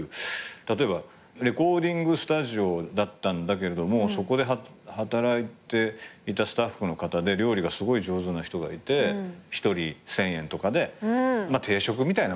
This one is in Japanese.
例えばレコーディングスタジオだったんだけれどもそこで働いていたスタッフの方で料理がすごい上手な人がいて１人１，０００円とかで定食みたいなもんですよね。